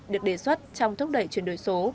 được đề xuất trong thúc đẩy chuyển đổi số